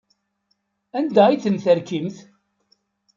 Anda ay ten-terkimt?